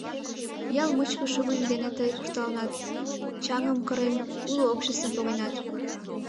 Ял мучко шугынь дене тый куржталынат, чаҥым кырен, уло обществым погенат...